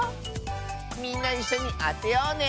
みんないっしょにあてようね。